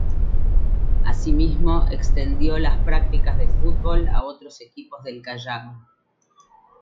Asímismo, extendió las prácticas de fútbol a otros equipos del Callao.